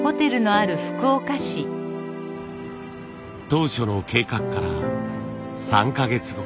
当初の計画から３か月後。